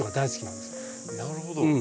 なるほど。